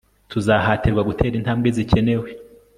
Tuzahatirwa gutera intambwe zikenewe